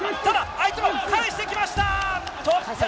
相手も返してきました。